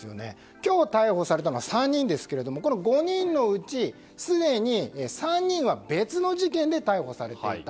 今日逮捕されたのは３人ですが５人のうちすでに３人は別の事件で逮捕されていた。